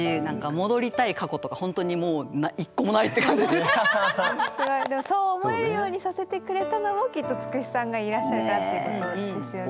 なんか自分でもそう思えるようにさせてくれたのもきっとつくしさんがいらっしゃるからっていうことですよね。